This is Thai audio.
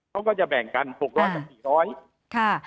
เขาก็จะแบ่งกัน๖๐๐กับ๔๐๐ค่ะ